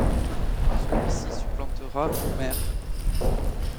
Celui-ci supplantera Homer.